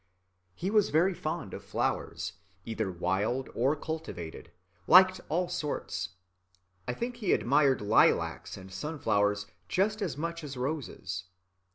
He was very fond of flowers, either wild or cultivated; liked all sorts. I think he admired lilacs and sunflowers just as much as roses.